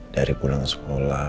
dari pulang sekolah